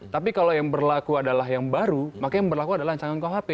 tapi kalau yang berlaku adalah yang baru maka yang berlaku adalah ancaman kuhp